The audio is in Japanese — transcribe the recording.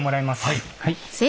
はい。